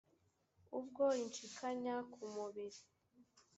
ubwo inshyikanya ku mubiri